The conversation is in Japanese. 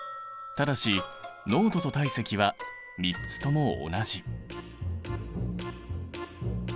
ただし濃度と体積は３つとも同じ。